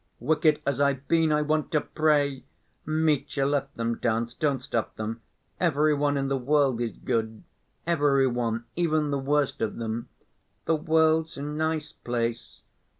Wicked as I've been, I want to pray. Mitya, let them dance, don't stop them. Every one in the world is good. Every one—even the worst of them. The world's a nice place.